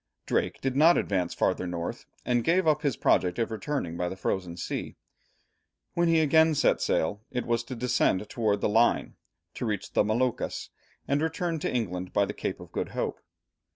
Drake did not advance farther north and gave up his project of returning by the Frozen Sea. When he again set sail, it was to descend towards the Line, to reach the Moluccas, and to return to England by the Cape of Good Hope.